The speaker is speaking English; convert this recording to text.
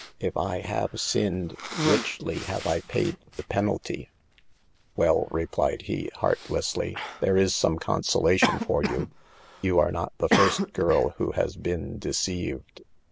If I have sinned, richly have I paid the pen alty/' 46 Well," replied he, heartlessly, " there is some consolation for you. You are not the first girl who has been deceived.